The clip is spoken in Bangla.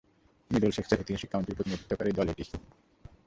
মিডলসেক্সের ঐতিহাসিক কাউন্টির প্রতিনিধিত্বকারী দল এটি।